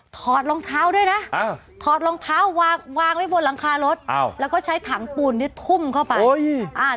ถอดรองเท้าด้วยนะถอดรองเท้าวางไว้บนหลังคารถแล้วก็ใช้ถังปูนที่ทุ่มเข้าไป